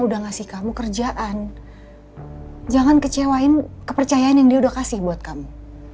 udah ngasih kamu kerjaan jangan kecewain kepercayaan yang dia udah kasih buat kamu